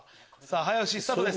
早押しスタートです。